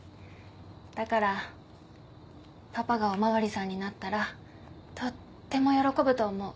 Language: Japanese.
だからパパがお巡りさんになったらとっても喜ぶと思う。